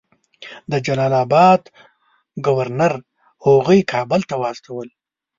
د جلال آباد ګورنر هغوی کابل ته واستول.